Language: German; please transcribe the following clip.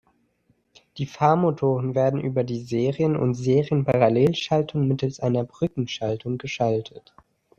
Die Fahrmotoren werden über die Serien- und Serien-Parallelschaltung mittels einer Brückenschaltung geschaltet.